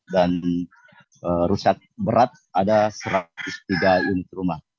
dan rusak berat ada satu ratus tiga unit rumah